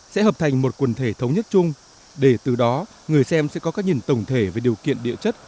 sẽ hợp thành một quần thể thống nhất chung để từ đó người xem sẽ có các nhìn tổng thể về điều kiện địa chất